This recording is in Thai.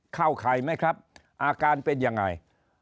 เข้าข่ายไหมครับอาการเป็นยังไง